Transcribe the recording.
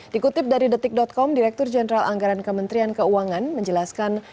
dikutip dari detik com direktur jenderal anggaran kementerian keuangan menjelaskan